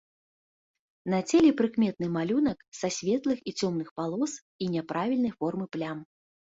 На целе прыкметны малюнак са светлых і цёмных палос і няправільнай формы плям.